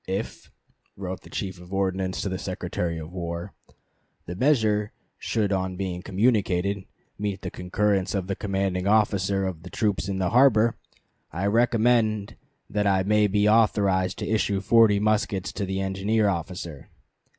"If," wrote the Chief of Ordnance to the Secretary of War, "the measure should on being communicated meet the concurrence of the commanding officer of the troops in the harbor, I recommend that I may be authorized to issue forty muskets to the engineer officer."